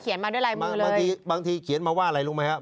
เขียนมาด้วยลายมือเลยบางทีเขียนมาว่าอะไรรู้ไหมครับ